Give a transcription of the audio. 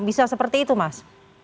bisa seperti itu mas